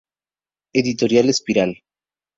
Editorial Espiral.